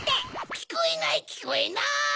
きこえないきこえない！